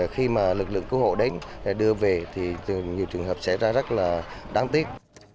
khi mà lực lượng cứu hộ đến đưa về thì nhiều trường hợp xảy ra rất là đáng tiếc